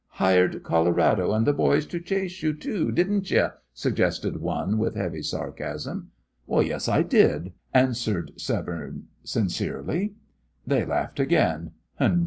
"Hired Colorado and the boys to chase you, too, didn't ye!" suggested one, with heavy sarcasm. "Yes, I did," answered Severne, sincerely. They laughed again.